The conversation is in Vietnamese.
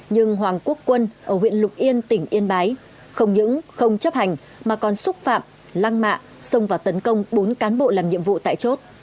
nhưng hoàng quốc quân ở huyện lục yên tỉnh yên bái không những không chấp hành mà còn xúc phạm lăng mạ xông vào tấn công bốn cán bộ làm nhiệm vụ tại chốt